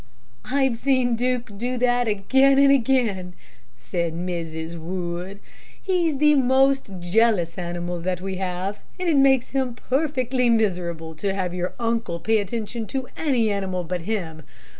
"I've seen Duke do that again and again," said Mrs. Wood. "He's the most jealous animal that we have, and it makes him perfectly miserable to have your uncle pay attention to any animal but him.